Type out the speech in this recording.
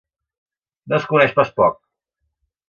No es coneix pas poc!